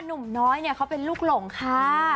หนุ่มน้อยเนี่ยเขาเป็นลูกหลงค่ะ